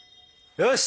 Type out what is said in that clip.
よし！